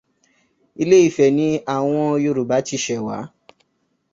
Ilé Ifẹ̀ ni àwọn Yorùbá ti ṣẹ̀ wá.